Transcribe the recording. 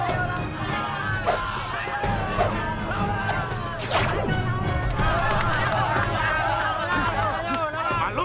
aku akan mencari siapa yang bisa menggoda dirimu